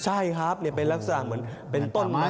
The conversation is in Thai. ใช่ครับเป็นลักษณะเหมือนเป็นต้นไม้